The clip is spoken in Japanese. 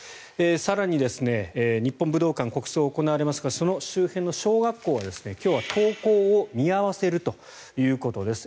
更に、日本武道館国葬を行いますがその周辺の小学校は今日は登校を見合わせるということです。